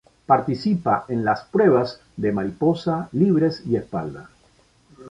Participa en las pruebas de mariposa, libres y espalda.